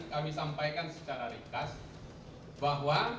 kami sampaikan secara ringkas bahwa